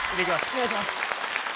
お願いします